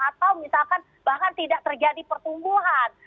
atau misalkan bahkan tidak terjadi pertumbuhan